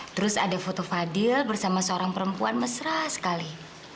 terus ada foto fadil bersama seorang perempuan mesra sekali